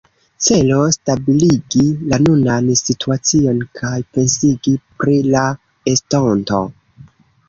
Celo: stabiligi la nunan situacion kaj pensigi pri la estonto.